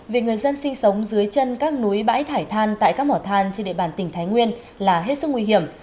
việc người dân sinh sống dưới chân các núi bãi thải than tại các mỏ than trên địa bàn tỉnh thái nguyên là hết sức nguy hiểm